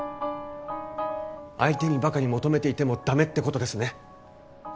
相手にばかり求めていてもダメってことですね。